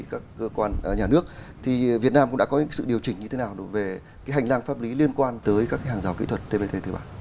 cơ quan nhà nước thì việt nam cũng đã có những sự điều chỉnh như thế nào về cái hành lang pháp lý liên quan tới các hàng rào kỹ thuật tbt thế bản